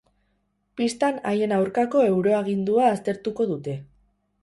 Bistan haien aurkako euroagindua aztertuko dute.